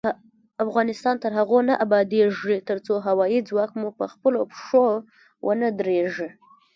افغانستان تر هغو نه ابادیږي، ترڅو هوايي ځواک مو پخپلو پښو ونه دریږي.